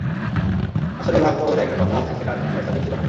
আসলে ভাগ্য বলে একটা কথা আছে, সেটা আর্জেন্টিনার সঙ্গে ছিল না।